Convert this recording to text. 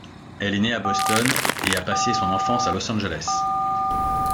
Elle est née à Boston et a passé son enfance à Los Angeles.